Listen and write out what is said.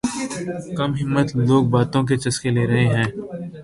کم ہمت لوگ باتوں کے چسکے لے رہے ہیں